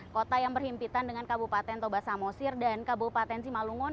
kota yang berhimpitan dengan kabupaten toba samosir dan kabupaten simalungun